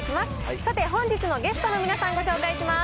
さて、本日のゲストの皆さんご紹介します。